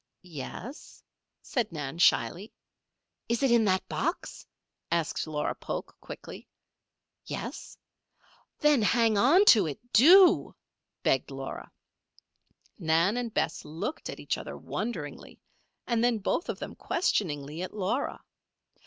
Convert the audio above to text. "Yes," said Nan, shyly. "Is it in that box?" asked Laura Polk, quickly. "Yes." "Then hang onto it, do!" begged Laura. Nan and Bess looked at each other wonderingly, and then both of them questioningly at Laura.